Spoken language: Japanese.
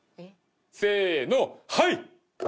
せーのはい。